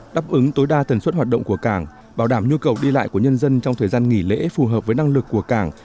đáp ứng tối đa thần suất hoạt động của cảng bảo đảm nhu cầu đi lại của nhân dân trong thời gian nghỉ lễ phù hợp với năng lực của cảng